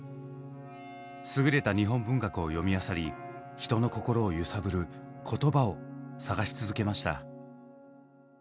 すぐれた日本文学を読みあさり人の心を揺さぶる「言葉」を探し続けました。